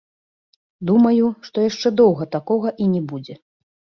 Думаю, што яшчэ доўга такога і не будзе.